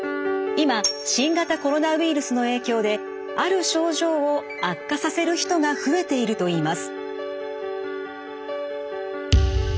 今新型コロナウイルスの影響である症状を悪化させる人が増えているといいます。